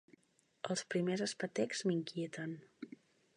Els primers espetecs m'inquieten.